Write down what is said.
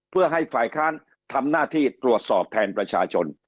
เพื่อให้ฝ่ายค้านทำหน้าที่ตรวจสอบแทนประชาชน